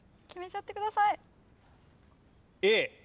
決めちゃってください。